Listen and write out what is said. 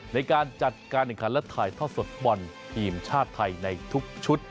ในการจัดการแข่งขันและถ่ายทอดสดฟุตบอลทีมชาติไทยในทุกชุด